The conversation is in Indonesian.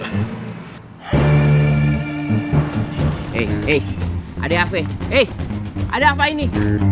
hei hei ada apa ini hei ada apa ini